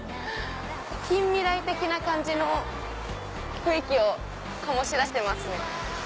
近未来的な感じの雰囲気を醸し出してますね。